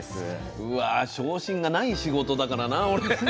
うわ昇進がない仕事だからな俺。